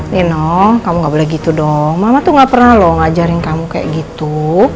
nih nong kamu nggak boleh gitu dong mama tuh gak pernah loh ngajarin kamu kayak gitu